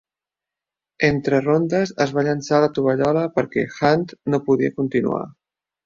Entre rondes es va llençar la tovallola perquè Hunt no podia continuar.